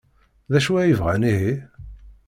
D acu ay bɣan ihi?